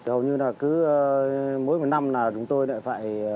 hầu như là cứ mỗi một năm là chúng tôi lại phải